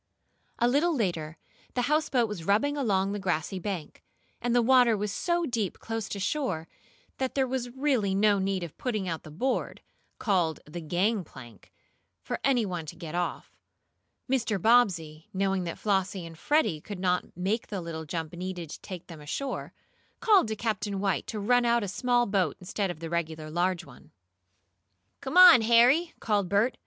A little later the houseboat was rubbing along the grassy bank, and the water was so deep close to shore that there was really no need of putting out the board, called the "gangplank," for any one to get off. Mr. Bobbsey, knowing that Flossie and Freddie could not make the little jump needed to take them ashore, called to Captain White to run out a small board instead of the regular large one. "Come on, Harry!" called Bert.